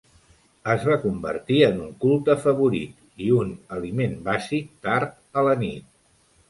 Es va convertir en un culte favorit i un aliment bàsic tard a la nit.